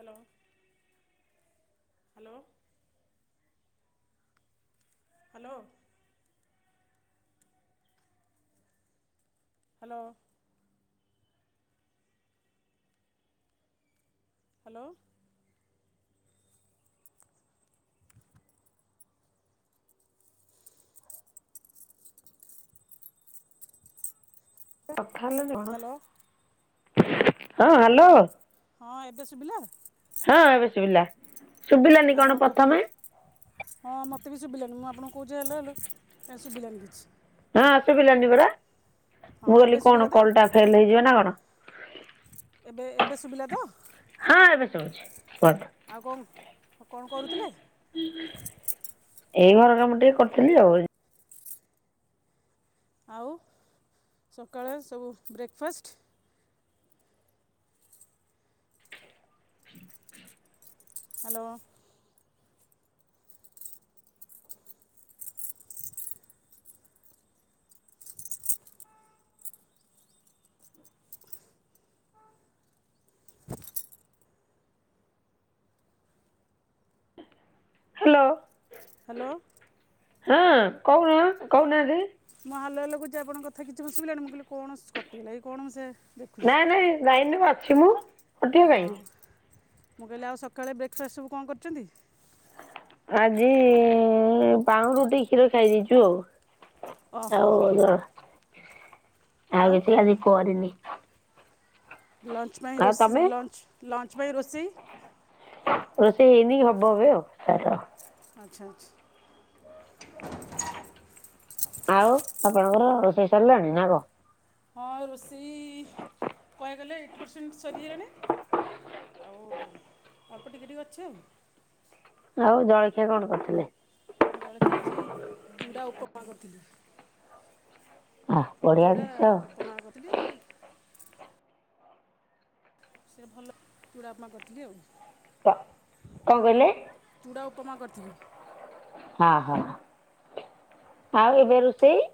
Hello hello. Hello. Hello. Hello. କଥା ହେଲେ କଣ? ହ୍ୟାଲୋ ହଁ ହାଲୋ ହଁ ଏବେ ଶୁଭିଲା? ହଁ ଏବେ ଶୁଭିଲା। ଶୁଭିଲାନି କଣ ଆପଣଙ୍କ ପ୍ରଥମେ ହଁ ମୋତେ ବି ଶୁଭିଲାନି ମୁଁ ଆପଣଙ୍କୁ କହୁଛି ହାଲୋ ହାଲୋ ଏ ଶୁଭିଲାନି କିଛି। ହଁ ଶୁଭିଲାନି ପରା। ହଁ ମୁଁ ଏବେ କହିଲିି ଶୁଭିଲା କଣ ତ କଲ୍ ଟା ଫେଲ୍ ହେଇଯିବ ନା କଣ? ଏବେ ଏବେ ସୁୁଭିଲା ତ? ହଁ ଏବେ ଶୁଭୁଛି କୁହନ୍ତୁ। ଆଉ କଣ, କଣ କରୁଥିଲେ? ଏଇ ଘର କାମ ଟିକେ କରିଥିଲି ଆଉ। ଆଉ ସକାଳେ ସବୁ breakfast? Hello hello hello ହଁ କହୁନ କହୁନାହାନ୍ତି? ମୁଁ ହାଲୋ ହାଲୋ କହୁଛି ଆପଣଙ୍କ କଥା କିଛି କଁ ଶୁଭିଲାନି। ମୁଁ କହିଲି କଣ କଟିଗଲା କି କଣ ସେ ଦେଖୁଛି ନା ନାଇଁ ଲାଇନ୍ ରେ ବା ଅଛି ମୁଁ। କଟିବ ହଁ କାହିଁକି? ମୁଁ କହିଲି ଆଉ ସକାଳେ ବ୍ରେକ୍ ଫାଷ୍ଟ ସବୁ କଣ କରୁଛନ୍ତି? ଆଜି ପାଉଁ ରୁଟି କ୍ଷୀର ଖାଇ ଦେଇଛୁ ଓହୋ ଆଉ। ହଉ ଆଉ କିଛି ଆଜି କରିନି। ଲଞ୍ଚ୍ ପାଇଁ ଆଉ ରୋଷ ତମେ? ଲଞ୍ଚ୍ ଲଞ୍ଚ୍ ପାଇଁ ରୋଷେଇ? ରୋଷେଇ ହେଇନି ହବ ଏବେ ଆଉ, ଖାଇଦବ। ଆଚ୍ଛା ଆଚ୍ଛା ଆଉ ଆପଣଙ୍କର ରୋଷେଇ ସରିଲାଣି ନା କଣ? ହଁ ରୋଷେଇ କହିଆକୁ ଗଲେ ଏଇଟି ପରସେଣ୍ଟ ସରିଗଲାଣି ଆଉ ଅଳ୍ପ ଟିକେ ଟିକେ ଅଛି ଆଉ। ଆଉ ଜଳଖିଆ କଣ କରିଥିଲେ? ଜଳଖିଆ ଆଜି ଚୁଡ଼ା ଉପମା କରିଥିଲି। ଆ ବଢିଆ ଚୁଡା ଜିନିଷ ଆଉ। ଉପମା କରିଥିଲି ସେ ଭଲ ଚୁଡ଼ାପମା କରିଥିଲି ଆଉ। କ କଣ କହିଲେ? ଚୁଡ଼ା ଉପମା କରିଥିଲି। ହଁ ହଁ। ଆଉ ଏବେ ରୋଷେଇ?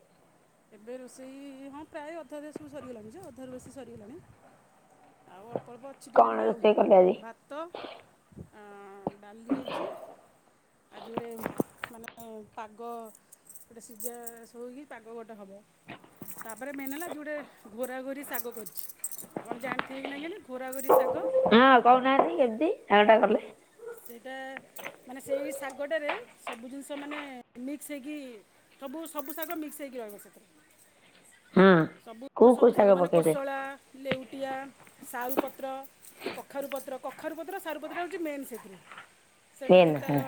ଏବେ ରୋଷେଇ ହଁ ପ୍ରାୟ ଅଧା ଦେ ସବୁ ସରିଗଲାଣି ଯେ ଅଧାରୁ ବେଶି ସରିଗଲାଣି। ଆଉ ଅଳ୍ପ ଅଳ୍ପ ଅଛି ଟିକେ କଣ ଟିକେ ଆଉ ରୋଷେଇ କଲେ ଆଜି? ଭା ତ ଅ ଡାଲି ହୋଇଛି। ଆଜି ଗୋଟେ ମାନେ ପାଗ ଗୋଟେ ସିଝା ଶୋଇକି ପାଗ ଗ ଗୋଟେ ହବ, ତାପରେ ମେନ୍ ହେଲା ଆଜି ଗୋଟେ ଘୋରା ଘୋରି ଶାଗ କରିଛି। ଆପଣ ଜାଣିଥିବେ କି ନାଇଁ କେଜାଣି ଘୋରାଘୋରି ଶାଗ? ହଁ କହୁନାହାନ୍ତି କେମିତି ଶାଗଟା କଲେ? ସେଇଟା ମାନେ ସେଇ ଶାଗଟାରେ ସବୁ ଜିନିଷ ମାନେ ମିକ୍ସ ହେଇକି ସବୁ ସବୁ ଶାଗ ମିକ୍ସ ହୋଇକି ରହିବ ସେଥିରେ। ହଁ। ସବୁ ସବୁ ଶାଗ ମାନେ କୋଶଳା ଲେଉଟିଆ, ସାରୁପତ୍ର, କଖାରୁପତ୍ର, କଖାରୁପତ୍ର ସାରୁପତ୍ରଟା ହେଉଛି ମେନ୍ ସେଥି ସେନ୍ ସେଠିକି ତାର ହଁ।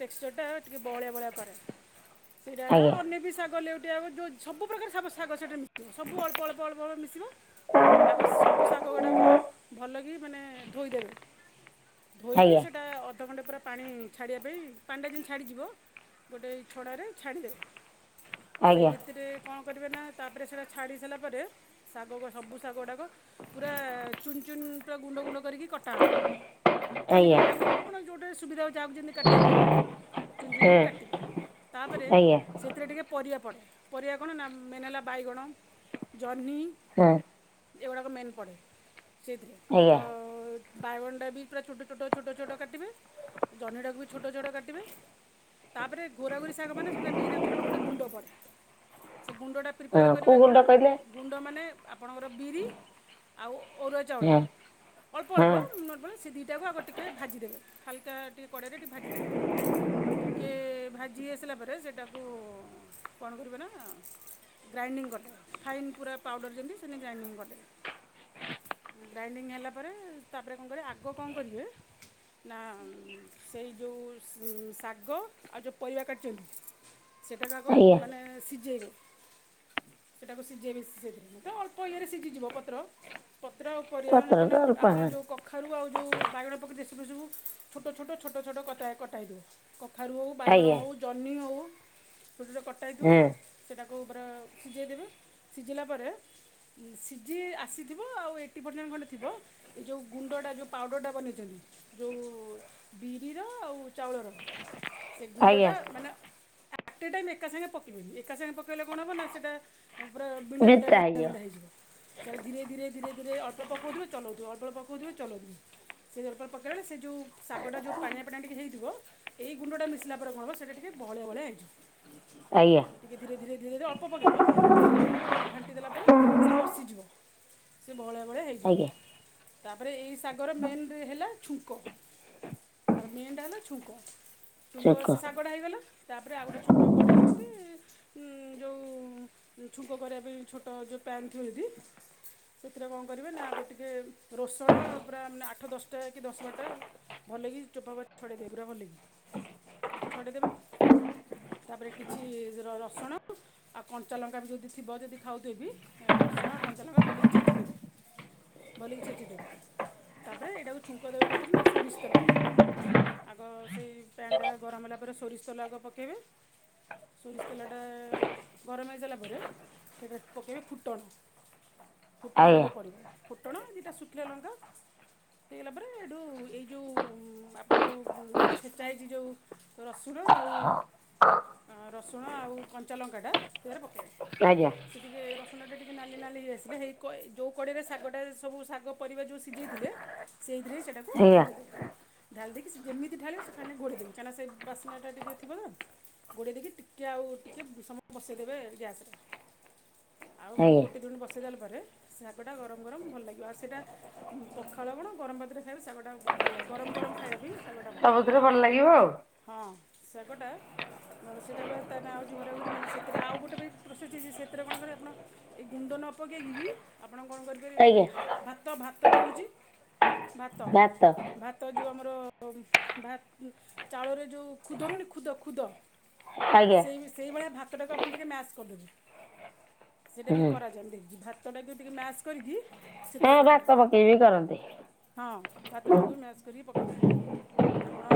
ଟେକ୍ସଚର୍ ଟା ଟିକେ ବହଳିଆ ଭଳିଆ କରେ। ସେଇଟା ହେଲା ଆଜ୍ଞା ଅନ୍ୟ ବି ଶାଗ ଲେଉଟିଆ ଯୋଉ ସବୁ ପ୍ରକାର ଶାବ ଶାଗ ସେଇଠି ମିସିବ, ସବୁ ଅଳ୍ପ ଅଳ୍ପ ଅଳ୍ପ ଅଳ୍ ମିଶିବ ଆଗ ସବୁ ଶାଗ ଗୁଡାକ ଭଲକି ମାନେ ଧୋଇଦେବେ। ଧୋ କି ଆଜ୍ଞା ସେଇଟା ଅଧଘଣ୍ଟେ ପୁରା ପାଣି ଛାଡ଼ିବା ପାଇଁ ପାଣିଟା ଜିନି ଛାଡ଼ିଯିବ, ଗୋଟେ ଛଡ଼ାରେ ଛାଡ଼ିଦେବେ। ସେଇ ଆଜ୍ଞା ଭିତରେ କଣ କରିବେ ନା ତା ପରେ ସେଇଟା ଛାଡ଼ି ସାରିଲା ପରେ ଶାଗ ସବୁ ଶାଗ ଗୁଡ଼ାକ ପୁରା ଚୁନ୍ ଚୁନ୍ ପୁରା ଗୁଣ୍ଡ ଗୁଣ୍ଡ କରିକି କଟାହବ। ଆଜ୍ଞା ପନିକିରି ହେଉ ଆପଣ ଯେଉଁଟି ସୁବିଧା ହେଉ ଚାହୁଉଛନ୍ତି କାଟିବା ପାଇଁ ଚୁନ ହଁ ଚୁନିକି କାଟିବେ ତାପରେ ଆଜ୍ଞା ସେ ସେଥିରେ ଟିକେ ପରିବା ପଡ଼େ ପରିବା କଣ ନା ମେନ୍ ହେଲା ବାଇଗଣ ଜହ୍ନି ହଁ। ଏଗୁଡ଼ାକ ମ ପେ ସେଥି ଆଜ୍ଞା ତ ବାଇଗଣ୍ଡା ବି ପ ଛୋଟ ଛୋଟ ଛୋଟ ଛୋଟ କାଟିବେ ଜନିଡ଼ାକୁ ବି ଛୋଟ ଛୋଟ କାଟିବେ ତା ପରେ ଘୋରାଘୋରି ଶାଗ ମାନେ ସେଇଟା ମେନ୍ ଆକ୍ଚୁଲି ଗୋଟେ ଗୁଣ୍ଡ ପଡ଼େ ସେ ଗୁଣ୍ଡଟା ପ୍ରିପେୟାର ହଁ କୋଉ କରିବେ କଣ ଗୁଣ୍ଡ କହିଲେ? ଗୁଣ୍ଡ ମାନେ ଆପଣଙ୍କର ବିରି ଆଉ ଅରୁଆ ଚାଉଳ ହଁ। ଅଳ୍ପ ହଁ ଅଳ୍ପ ନର୍ ସେ ଦୁଇଟାକୁ ଆଗ ଟିକେ ଭାଜିଦେବେ। ହାଲକା ଟିକେ କଡ଼େଇରେ ଟିକେ ଭାଜିଦେବେ। ଟିକଏ ଭାଜି ଆସିଲା ପରେ ସେଇଟାକୁ କଣ କରିବ ନା ଗ୍ରାଇଣ୍ଡିଙ୍ଗ କରିଦେଲେ ଫାଇନ୍ ପୁରା ପାଉଡ଼ର ଯେମିତି ସେନେ ଗ୍ରାଇଣ୍ଡିଙ୍ଗ କରିଦେବେ। ଡାଇଣ୍ଡିଙ୍ଗ ହେଲା ପରେ ତାପରେ କଣ କରିବେ ଆଗ କଣ କରିବେ ନା ସେଇ ଯେଉଁ ଶାଗ ଆଉ ଯେଉଁ ପରିବା କାଟିଛନ୍ତି। ସେଇଟାକୁ ଆଗ ଆଜ୍ଞା ମାନେ ସିଝେଇବେ। ସେଇଟାକୁ ସିଝେଇ ବି ସି ସେନି ମତେ ଅଳ୍ପ ଇଏରେ ସିଝିଯିବ ପତ୍ର। ପତ୍ର ପରିବ ପତ୍ର କ ତ ଅଳ୍ପ ଆପଣ ହଁ ଯେଉଁ କଖାରୁ ଆଉ ଯେଉଁ ବାଇଗଣ ରେ ସବୁସବୁ ଛୋଟ ଛୋଟ ଛୋଟ ଛୋଟ କଟାଇଦବ କଖାରୁ ହେଉ ବାଇଗଣ ଆଜ୍ଞା ହେଉ ଜହ୍ନି ହେଉ ସେଟରେ କଟାଇଥିବ। ହଁ। ସେଟାକୁ ଉପରେ ସିଝେଇ ଦେବେ ସିଝିଲା ପରେ ସିଝି ଆସିଥିବ ଆଉ ଏଇଟି ପେରସେଣ୍ଟ ଖଣ୍ଡେ ଥିବ ଏ ଯେଉଁ ଗୁଣ୍ଡଟା ଯେଉଁ ପାଉଡ଼ରଟା ବନେଇ ଯଉ ବିରିର ଆଉ ଚାଉଳର ସେ ଆଜ୍ଞା ଗୁଣ୍ଡଟା ମାନେ ଆଟେ ଟାଇମ୍ ଏକା ସାଙ୍ଗେ ପକେଇବି ନି। ଏକା ସାଙ୍ଗେ ପକେଇଲେ କଣବ ନା ସେଇଟା ତା ପୁରା ବିଣ୍ଡା ବିଣ୍ଡା ବିଣ୍ଡା ବିଣ୍ଡା ହେଇଯିବ। ତା ଧୀରେ ଧୀରେ ଧୀରେ ଧୀରେ ଅଳ୍ପ ପକଉଥିବେ ଚଲଉଥିବେ ଅଳ୍ପ ପକଉଥିବେ ଚଲଉଥିବେ। ସେ ଜଳ୍ପ ପକେଇବେେଳେ ସେ ଯେଉଁ ଶାଗଟା ଯେଉଁ ପାଣିଆ ପାଣିଆ ଟିକେ ହେଇଥିବ। ଏଇ ଗୁଣ୍ଡଟା ମିଶିଲା ପରେ କଣ ହେବ ସେଇଟା ଟିକେ ଭଳିଆ ଭଳିଆ ହେଇଯିବ। ଆଜ୍ଞା। ଟିକିଏ ଧୀରେ ଧୀରେ ଧୀରେ ଧୀରେ ଅଳ୍ପ ପକାଇବା ସେଇଟା ଟିକିଏ ଘାଣ୍ଟି ଦେଲା ପରେ ସେ ବସିଯିବ। ସେ ଭଳିଆ ଭଳିଆ ହେଇଯିବ ଆଜ୍ଞା ତାପରେ ଏଇ ସାଗର ମେନ୍ ହେଲା ଛୁଙ୍କ। ତାର ମେନ୍ ଟା ହେଲା ଛୁଙ୍କ। ଛୁଙ୍କ ଶୁଖ ସେ କଡା ହେଇଗଲା। ତାପରେ ଆଉ ଗୋଟେ ଛୋଟ କଡ଼େଇ ହଉ କି ଯେଉଁ ଛୁଙ୍କ କରିବା ପାଇଁ ଛୋଟ ଯେଉଁ ପ୍ୟାନ୍ ଥିବ ଯଦି ସେଥିରେ କଣ କରିବେ ନା ଗୋ ଟିକେ ରୋସଣ ପୁରାେ ଆଠ ଦଶ ଦଶଟା କି ଦଶ ବାରଟା ଭଲ ଲାଗି ଚୋପା ଛଡ଼େଇ ଦେ ପୁରା ଭଲ କି। ଛଡେଇେଦବେ। ତାପରେ କିଛି ର ରସୁଣ ଆଉ କଞ୍ଚାଲଙ୍କା ବି ଯଦି ଥିବ ଯଦି ଖାଉଥିବେ ବି ରସୁଣ ଆଉ କଞ୍ଚାଲଙ୍କା ଭଲିକି ଛେଚିଦେବେ। ଭଲିକି ଛେଚି ଦେବେ। ତାପରେ ଏଇଟାକୁ ଛୁଙ୍କ ଦେବେ କହୁଥିଲେ ନା ସୋରିଷ ତେଲରେ। ଆଗ ସେଇ ପ୍ୟାନ୍ଟା ଗରମ ହେଲା ପରେ ସୋରିଷ ତଲା ଆଗ ପକାଇବେ। ସୋରିଷ ତେଲାଟା ଗରମ ହେଇଗଲା ପରେ ସେଇଟା ପକେଇବେ ଫୁଟଣ। ଫୁଟଣ ଆଜ୍ଞା। ଟିକେ ପଡ଼ିବ। ଫୁଟଣ ଦି ଟା ଶୁଖିଲା ଲଙ୍କା। ହେଇଗଲା ପରେ ଏଇଠୁ ଏଇ ଯେଉଁ ଆପଣ ଯେଉଁ ଛେଚା ହେଇଛି ଯେଉଁ ରସୁଣ ଆଉ ରସୁଣ ଆଉ କଞ୍ଚାଲଙ୍କାଟା ରେ ପକାଇବେ। ଆଜ୍ଞା। ସେ ଟିକେ ରସୁଣଟା ଟିକେ ନାଲି ନାଲି ହେଇଆସିଲେ। ହେଇ ଯେଉଁ କଡ଼ିରେ ଶାଗଟା ସବୁ ଶାଗ ପରିବା ଯେଉଁ ସିଝେଇଥିଲେ ସେଇଥିରେ ସେଇଟାକୁ ଆଜ୍ଞା ଢାଳିଦବେ। ଢାଳି ଦେଇକି ସେ ଯେିତି ଢା ସେ ଫାେ ଗୋଳ ଦେେବେ କହିଁକନା ବାସ୍ନାଟା ଟିକ ଥିବ ତ ଗୋଡ଼େଇ ଦେଇକି ଟିକେ ଆଉ ଟିକେ ସମୟ ବସେଇଦେବେ ଗ୍ୟାସ୍ରେ। ଆଉ ଦୁ ଆଜ୍ଞା। ଗୋଟେ ଦୁଣ ବସେଇଦେଲା ପରେ ଶାଗଟା ଗରମ ଗରମ ଭଲ ଲାଗିବ ଆଉ ସେଇଟା ପଖାଳ କଣ? ଗରମପତିରେ ଖାଇବା ଶାଗଟା ବହୁତ ଭଲ ଲାଗେ ଗରମ ଗରମ ଖାଇବାବ ଶାଗଟା ଭଲ ସବୁଥିରେ ଲାଗିବ ଆଉ। ହଁ ଶାଗଟା ମ ସେଟା ତା ଆଉଝର ମାନେ ସେଥିରେ ଆଉ ଗୋଟେ ବି ପ୍ରୋସସେ ସେଥିରେ କଣ କରେ ଆପଣ ଏଇ ଗୁଣ୍ଡ ନ ପକେଇକି ବି ଆପଣ କଣ କରିପାରିବେ ଯେଉ ଆଜ୍ଞା ଭାତ ଭାତ ହୋଉଚି ଭାତ ଭାତ ଯେଉଁ ଆମର ଭ ଚାଉଳରେ ଯେଉଁ ଖୁଦ ରହୁନି ଖୁଦ ଖୁଦ ଆଜ୍ଞା ସେଇ ଭଳିଆ ଭାତ ତା ଟାକୁ ଟିକେ ମ୍ୟାସ କରିଦେବେ ସେଇଟା ବି ହୁଁ। କରାଯାଏ ମୁଗ ଡାଲି ଟିକି ମ୍ୟାଚ କରିକି ହଁ ସେଥିରେ ପକାଇଦେବେ ଭାତ ପକେଇ ବିି କରନ୍ତି। ହଁ ଭାତଟାକୁ ମ୍ୟାଚ କରିକି ପକେଇ ଦେବ। ଆପଣ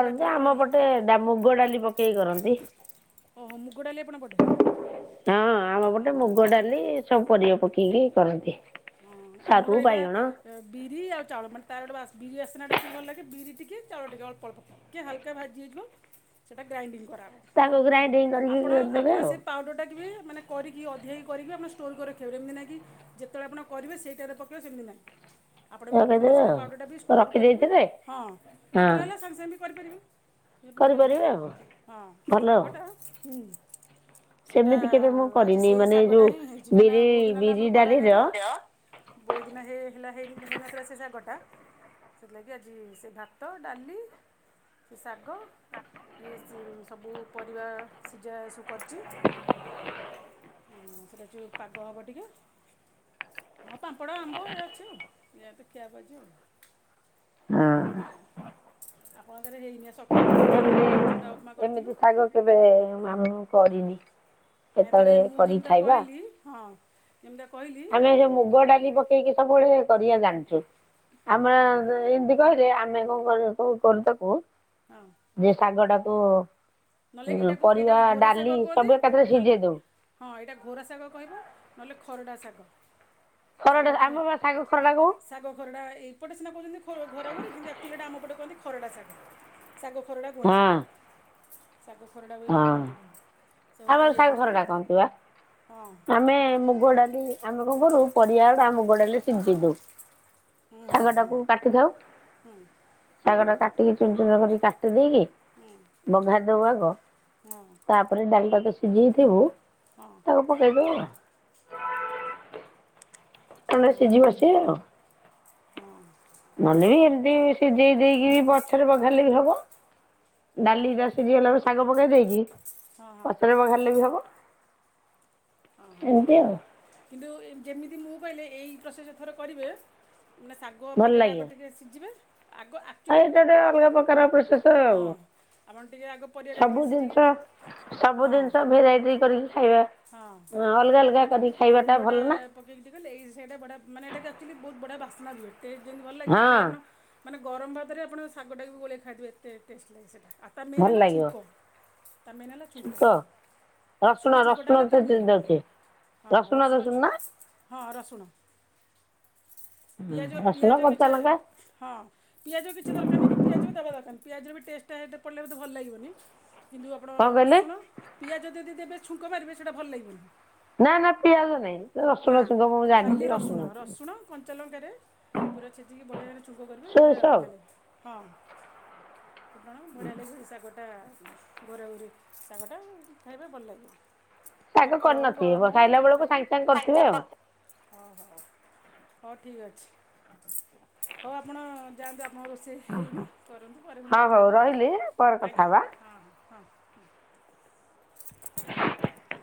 ଏଇଟା ଥରେ ଆମ କରି ପଟେ ଡା ମୁଗ ଡାଲି ପକେଇକି କରନ୍ତି। ହଁ ମୁଗ ଡ଼ାଲି ଆପଣ ପଟେ ହଁ ଗୋଟେ ହଁ ମୁଗ ଡାଲି ସବୁ ପରିବା ପକେଇକି କରନ୍ତି। ହଁ ସାରୁ ଆମର ଏଇଟା ବାଇଗଣ ବିରି ଆଉ ଚାଉଳ ମାନେ ତାର ଗୋଟେ ବିରି ଆସନାଟା ସେଛି ଭଲ ଲାଗେ ବିରି ଟିକେ ଚାଉଳ ଟିକେ ଅ୍ପ ଅଳ୍ ଟ କିଏ ହାଲକା ଭାଜି ହେଇଯିବ ସେଇଟା ଗ୍ରାଇଣ୍ଡିଙ୍ଗ କରାହେବ। ତାକୁ ଗ୍ରାଇଣ୍ଡିଙ୍ଗ କରିକି ଆପଣ ଦେବେ ଆପଣ ଆଉ। ସେ ପାଉଡର ମାନେ କରିକି ଅଧିକ ହେକ କରିକି ଆଣ ଷ୍ଟୋର୍ କରି ରଖିବାର ଏମିତି ନାକି ଯେତେବେଳେ ଆପଣ କରିବେ ସେଇଟାରେ ପକାଇବା ସେମିତି ନାହିଁ। ଆପଣ ବି ରଖିଦେବେ ମାନେ ସେଇଟା ଆଉ ପାଉଡ଼ରଟା ବି ଷ୍ଟୋର୍ କରିକି ରଖିଦେଇଥିବେ ହଁ ହଁ ଯେତେବେଳେ ହେଲା ସାଙ୍ଗେ ସାଙ୍ଗେ ବି କରିପାରିବେ। ସେମିତି ବି ହେବ କରିପାରିବେ ଆଉ ହଁ ଭଲ ଆଉ। ରାଗ ଟା ହୁଁ ସେଇଟା ସେମିତି କେବେ ମୁଁ ଆଜି କରିନି ସେହି ମାନେ ଯୋଉ ଶାଗଟା ହିଁ ହେଇଛି କାହିଁକନା ବିରି ବହୁ ଦିନ ହେଲା ବିରି ଆମର ଡାଲିର କରାହେଇନଥିଲା ବହୁତ ଦିନ ହେଇ ହେଲା ହେଇନଥିଲା ସେ ଶାଗ ଟା ସେଥିଲାଗି ଆଜି ସେ ଭାତ ଡାଲି ସେ ଶାଗ ଟିକଏ ସ ସବୁ ପରିବା ସିଝା ସବୁ କରିଛି। ହଁ ସେଇଟା ଅଛି ପାଗ ହେବ ଟିକେ ହଁ ପାମ୍ପଡ଼ ଆମ୍ବ ଏଇ ଅଛି ଏଇଆ ଅଛି ଆଉ ଖିଆ ହେବ ଆଜି। ଏ ହଁ ଆପଣଙ୍କରେ ହେଇନି ଆ ସକାଳ ତ କରିଥିଲି ଚୁଡ଼ା ଉପମା ଏମିତି କରିଥିଲ। ଏମିତି ଶାଗ କେବେ ଆ କରିନି। ନାଇଁ ଥରେ କେତେବେଳେ ମୁଁ କରିକି ଯେମିତା ଖାଇବା କହିଲି ହଁ ଯେମିତା କହିଲି ଆମେ ସେ ମୁଗ ଡାଲି ପକେଇକି ସବୁବେଳେ କରିବା ଜାଣିଛୁ ହଁ ଆମର ଏମତି କହିଲେ ଆମେ କଣ କର କରୁ ତାକୁ ହଁ। ଯେ ଶାଗ ଟାକୁ ନହେଲେ ଏଇଟାକୁ ପରିବା ଏଇଟାକୁ ଘୋରା ଶାଗ ଡାଲି କୁହନ୍ତି ସବୁ ଏକାଥରେ ନହେଲେ ସିଝେଇ ଦବୁ ହଁ ଏଇଟା ଘୋରା ଶାଗ କହିବ ନହେଲେ ଖରଡ଼ା ଶାଗ ଶାଗ ଖରଟା ଖ ଆମ ବା ଶାଗ ଖରଟା କହୁଁ ଶାଗ ଖରଡ଼ା ଏଇପଟେ ସିନା କହୁଛନ୍ତି ଘର ଘରେ କିନ୍ତୁ ଆକ୍ଚୁଆଲିଟା ଆମ ପଟେ କୁହନ୍ତି ଖରଡ଼ା ଶାଗ। ଶାଗ ଖରଡ଼ା କୁହନ୍ତି ହଁ ସେଟା। ହଁ ଏଇଟାକୁ ସବୁ ଆମର ପରିବା ଶାଗ ପଡ଼ିକି ଖରଡ଼ା ଟା କହନ୍ତୁ ବା। ହଁ ଆମେ ମୁଗ ଡାଲି ଆମେ କଣ କରୁ ପରିବାଟା ମୁଗ ମୁଗ ଡାଲି ସିଝେଇ ଦଉ ହୁଁ ଶାଗ ହୁଁ ଟାକୁ କାଟିଥାଉ। ହୁଁ ଶାଗ ଟା କାଟିକି ଚୁନ ଚୁନ କରିକି କାଟି ଦେଇକି ବଘାରି ଦବ ଆଗ ହଁ ତାପରେ ଡାଲିଟା ତ ସିଝେଇଥିବୁ ହଁ ପକେଇ ଦେବୁ। ତାପରେ ହଁ ହଁ ସିଝିବ ସିଏ ଆଉ। ହଁ ନହେଲେ ନାଇଁ ଏମିତି ସିଝେଇ ଦେଇକି ପଛରେ ବଘାରିଲେ ବି ହବ। ଡାଲି ରା ସିଯି ଗଲା ପରେ ଶାଗ ପକାଇ ଦେଇକି ହଁ ହଁ ପଛରେ ବାହାରିଲେ ବି ହେବ। ଓହୋ। କିନ୍ତୁ ଯେମିତି ମୁଁ କହିଲେ ଏଇ ପ୍ରୋସେସ ଥରେ କରିବେ ମାନେ ଶା ଗ ଆଗ ପରିବାଟା ଆ ଟିକେ ସିଝିବେ ଆଗ ଆ ଆଇ ତ ଅଲଗା ପ୍ରକାର ପ୍ରୋସେସ ହଁ ଆଉ। ଆପ ଟିକେ ଆଗ ପରିବା ଟା ସବୁ ଟିକେ ଜିନିଷ ସିଯେଇକି ସବୁ ହଁ। ଜିନିଷ ଭେରାଇଟି କରିକି ଖାଇବା ହଁ ଅଲଗା ଅଲଗା କରିକି ଖାଇବାଟା ଗୁଣ୍ଡ ଟା ଭଲ ନା। ପକେଇକି କଲେ ଏଇ ସେଇଟା ବଢିଆ ମାନେ ଏଟା ଆକଚୁଆଲି ବହୁ ବଢିଆ ବାସ୍ନା ଦିଏ, ଏଇ ଯେମିତି ଭଲ ଲାଗେ ଖାଲି ହଁ ଆପଣ ମାନେ ଗରମ ଭାତରେ ଆପଣ ଶାଗଟା ବି ଗୋଳାଇ ଖାଇଦେବେ ଏତେ ଟେଷ୍ଟ ଲାଗେ ସେଟା ତା ମେନ୍ ଭଲ ହେଲା ଲାଗିବ। ଛୁଙ୍କ ତା ମେନ୍ ହେଲା ଛୁଙ୍କ ଶୁଖ ରସୁଣ ତାର ହେଲା ମେନ୍ ହଁ ରସୁଣ ଦଉଚନ୍ତି ଛୁ ନା? ହଁ ରସୁଣ ହୁଁ ପିଆଜ ରସୁଣ ପିଆଜ କଞ୍ଚା କିଚେ ଲଙ୍କା ହଁ। ପିଆଜ ବି କିଛି ଦରକାର ନାଁ କି ପିଆଜ ବି ଦେବା ଦରକାର ନାହିଁ, ପିଆଜ ବି ରେ ଟେଷ୍ଟଟା ପିଡ଼ିଲେ ବି ଭଲ ଲାଗିବନି। କିନ୍ତୁ ଆପଣ କଣ କହିଲେ? ରସୁଣ ପିଆଜ ଯଦି ଦେବେ ଛୁଙ୍କ ମାରିବେ ସେଇଟା ଭଲ ଲାଗିବନି। ନା ନା ପିଆଜ ନାହିଁ ରସୁଣ ନା ଛୁଙ୍କ ମୁଁ ଜାଣିଛି ଖାଲି ରସୁଣ ଛୁଙ୍କ ରସୁଣ କଞ୍ଚାଲଙ୍କାରେ ପୁରା ଛେଚିକି ବଢ଼ିଆ ଭାବରେ ଛୁଙ୍କ କରିବେ ଏଇଟା ସୋରିଷ ଆଉ। ବଢ଼ିଆ ଲାଗେ। ହଁ ଫୁଟଣ ବଢିଆ ଲାଗେ ଶାଗରେ ଟା ଘୋରା ଘୋରି ଶାଗଟା ଖାଇବେ ଭଲ ଲାଗିବ। ଶାଗ ପଖାଳ ହଉ ଗରମ କରିନଥିବେ ଖାଇଲା ହଉ ବେଳକୁ ଖାଇବେ। ସାଙ୍ଗେ ସାଙ୍ଗେ କରିଥିବେ ଆଉ। ହଉ ହଉ ହଉ ଠିକ୍ ଅଛି। ହଉ ଆପଣ ଯାଆନ୍ତୁ ଆପଣଙ୍କ ରୋଷେଇ ହେଇନି କରନ୍ତୁ। ପରେ ପୁଣି ହଁ କଥା ହଉ ହେବା ରହିଲି ଆଉ ପରେ କଥା ଆଜ୍ଞା ହବା। ହଁ ହଁ ହଁ। [inaudible]